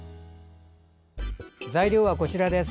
材料は、こちらです。